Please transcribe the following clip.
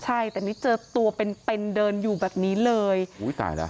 ใช่แต่ไม่เจอตัวเป็นเป็นเดินอยู่แบบนี้เลยอุ้ยตายแล้ว